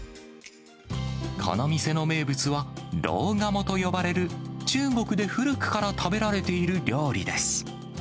この店の名物は、ローガモと呼ばれる、中国で古くから食べられている料理です。